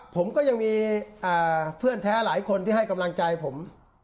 ผมก็ยังมีเพื่อนแท้หลายคนที่ให้กำลังใจผม